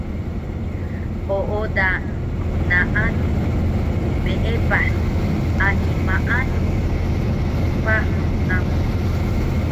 Ooda gnaalu qmeepah ani maanu qpahun namu